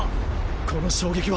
この衝撃は。